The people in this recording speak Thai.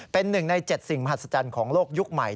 เป็น๑ใน๗สิ่งมหัศจรรย์ของโลกยุคใหม่